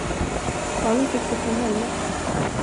Barnen fick det från henne.